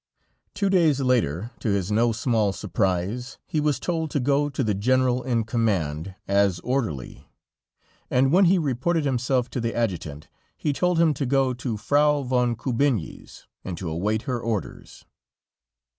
] Two days later, to his no small surprise he was told to go to the General in command, as orderly, and when he reported himself to the adjutant, he told him to go to Frau von Kubinyi's, and to await her orders.